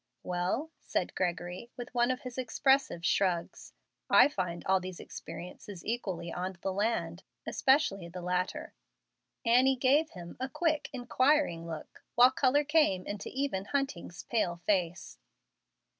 "Well," said Gregory, with one of his expressive shrugs, "I find all these experiences equally on the land, especially the latter." Annie gave him a quick, inquiring look, while color came into even Hunting's pale face.